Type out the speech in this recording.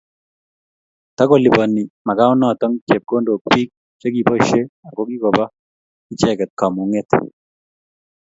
Takolipani Makaonoto Chepkondok biik chekiboishei ako kikopa icheget Kamung'set